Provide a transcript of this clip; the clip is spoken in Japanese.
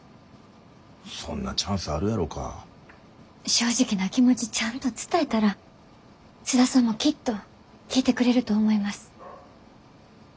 正直な気持ちちゃんと伝えたら津田さんもきっと聞いてくれると思います。